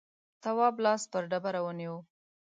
تواب لاس پر ډبره ونيو.